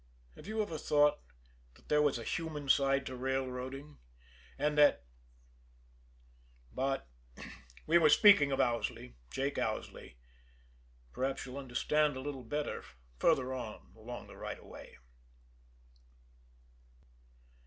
Have you ever thought that there was a human side to railroading, and that but we were speaking of Owsley, Jake Owsley, perhaps you'll understand a little better farther on along the right of way.